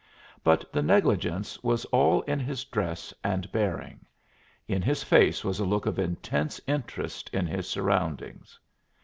But the negligence was all in his dress and bearing; in his face was a look of intense interest in his surroundings.